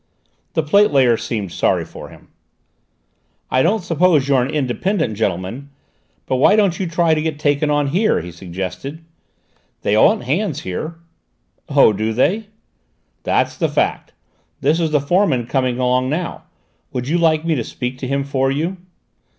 The plate layer seemed sorry for him. "I don't suppose you're an independent gentleman, but why don't you try to get taken on here?" he suggested. "They want hands here." "Oh, do they?" "That's the fact; this is the foreman coming along now: would you like me to speak to him for you?"